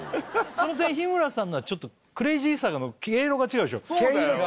その点日村さんのはちょっとクレイジーさの毛色が違うでしょ毛色違いますね